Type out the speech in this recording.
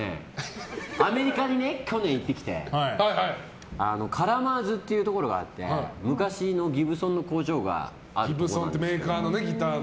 アメリカに去年行ってきてカラマーズというところがあって昔のギブソンの工場があるところなんですけど。